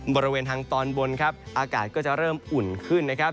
บริเวณทางตอนบนครับอากาศก็จะเริ่มอุ่นขึ้นนะครับ